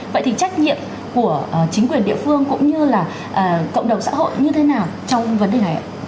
vậy thì trách nhiệm của chính quyền địa phương cũng như là cộng đồng xã hội như thế nào trong vấn đề này ạ